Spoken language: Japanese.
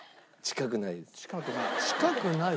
近くない。